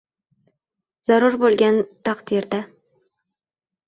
zarur bo‘lgan taqdirda